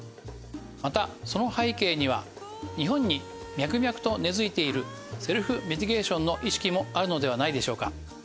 またその背景には日本に脈々と根づいているセルフメディケーションの意識もあるのではないでしょうか。